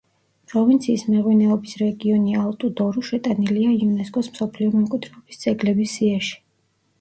პროვინციის მეღვინეობის რეგიონი ალტუ-დორუ შეტანილია იუნესკოს მსოფლიო მემკვიდრეობის ძეგლების სიაში.